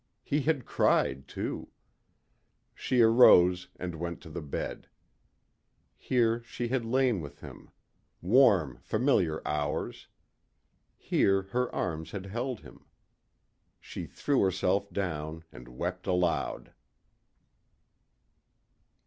He had cried too. She arose and went to the bed. Here she had lain with him. Warm, familiar hours. Here her arms had held him. She threw herself down and wept aloud.